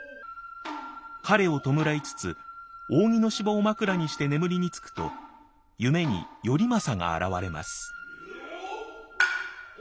彼を弔いつつ扇の芝を枕にして眠りにつくと夢に頼政が現れます。